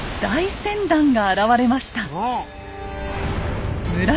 大船団が現れました。